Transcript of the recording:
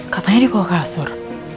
katanya dibawah kasur